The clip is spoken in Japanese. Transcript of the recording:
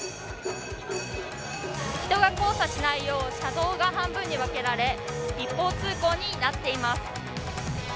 人が交差しないよう車道が半分に分けられ一方通行になっています。